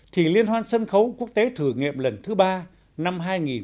thì liên hoan sân khấu quốc tế thử nghiệm lần thứ ba năm hai nghìn một mươi tám